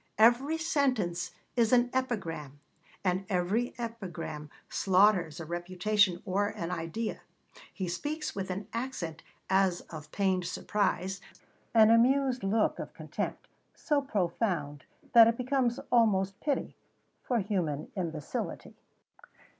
Every sentence is an epigram, and every epigram slaughters a reputation or an idea. He speaks with an accent as of pained surprise, an amused look of contempt, so profound that it becomes almost pity, for human imbecility.